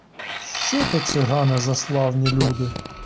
Що то цигани за славні люди!